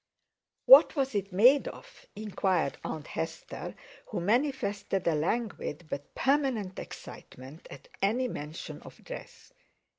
"What was it made of?" inquired Aunt Hester, who manifested a languid but permanent excitement at any mention of dress.